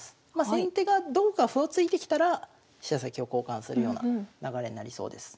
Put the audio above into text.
先手がどこか歩を突いてきたら飛車先を交換するような流れになりそうです。